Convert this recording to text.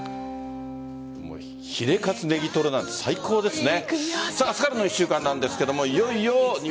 ヒレカツ、ネギトロなんて最高ですね。